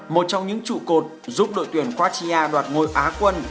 một trong những trụ cột giúp đội tuyển katia đoạt ngôi á quân